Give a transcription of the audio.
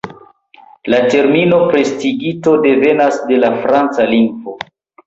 La termino "prestidigito" devenas de la franca lingvo.